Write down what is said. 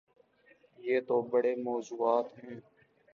یہ تو بڑے موضوعات ہیں۔